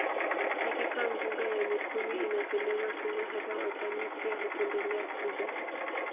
Hakika mbuga ya Mikumi inapendeza sana hata watalii pia hupendelea kuja